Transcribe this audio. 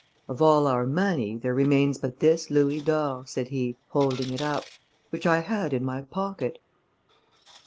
Of all our money, there remains but this louis d'or," said he, holding it up, "which I had in my pocket."